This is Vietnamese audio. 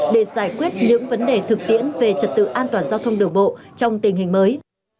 để giải quyết những vấn đề thực tiễn về trật tự an toàn giao thông đường bộ trong tình hình mới